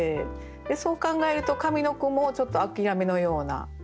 そう考えると上の句もちょっと諦めのような感じ？